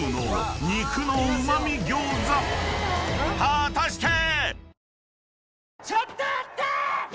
［果たして⁉］